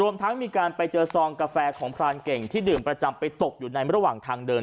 ทั้งมีการไปเจอซองกาแฟของพรานเก่งที่ดื่มประจำไปตกอยู่ในระหว่างทางเดิน